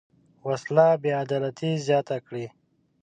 وسله بېعدالتي زیاته کړې